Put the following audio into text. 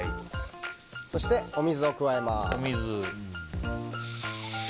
そして、お水を加えます。